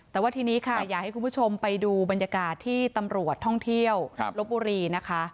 แต่ว่าทีนี้ค่ะอยากให้คุณผู้ชมไปดูบรรยากาศที่ตำรวจท่องเที่ยวลบบุรีนะคะ